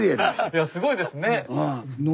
いやすごいですね。